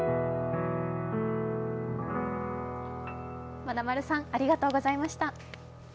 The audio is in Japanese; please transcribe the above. まなまるさん、ありがとうございました。